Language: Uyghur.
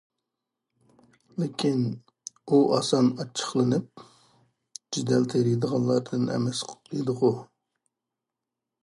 لېكىن، ئۇ ئاسان ئاچچىقلىنىپ، جېدەل تېرىيدىغانلاردىن ئەمەس ئىدىغۇ ؟!